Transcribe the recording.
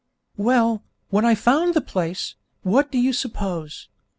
Well, when I found the place, what do you suppose?